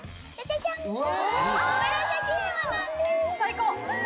最高！